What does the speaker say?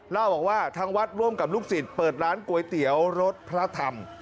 เล่าบอกว่าทางวัดร่วมกับลูกศิษย์เปิดร้านก๋วยเตี๋ยวรถพระธรรม